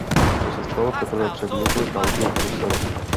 To se stalo teprve před několika lety v Bruselu.